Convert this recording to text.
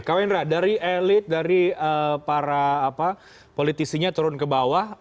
kawendra dari elit dari para politisinya turun ke bawah